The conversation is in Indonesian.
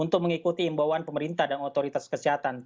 untuk mengikuti imbauan pemerintah dan otoritas kesehatan